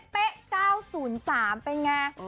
เป๊ะ๙๐๓เป็นไง